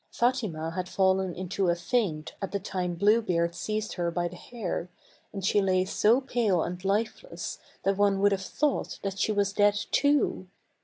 Fatima had fallen into a faint at the time Blue Beard seized her by the hair, and she lay so pale and lifeless that one would have thought that she was dead too.